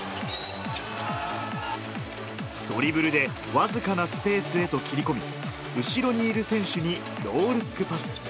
ドリブルで僅かなスペースへと切り込み、後ろにいる選手にノールックパス。